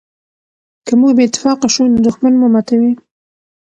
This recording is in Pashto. که موږ بې اتفاقه شو نو دښمن مو ماتوي.